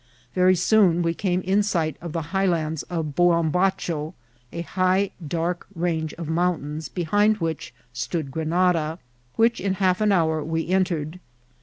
Very soon we came in sight of the highlands of Buombacho, a high, dark range of mountains, behind ^ which stood Grenada, which in half an hour we en tered.